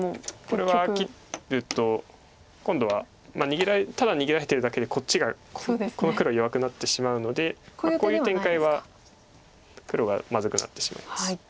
これは切ると今度はただ逃げられてるだけでこっちがこの黒弱くなってしまうのでこういう展開は黒がまずくなってしまいます。